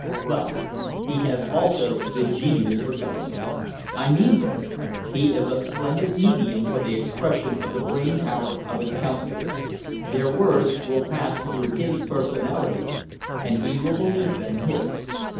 But he has also the genius for government. I mean this: he is a splendid medium for the expression of the brain power of his counsellors. Their words will pass through his personality, and he will believe them his.